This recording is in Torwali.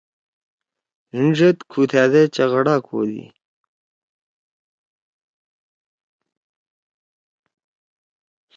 ہیِن ڙید کُھو تھأدے چغڑا کودی۔